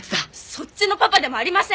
そっちのパパでもありません！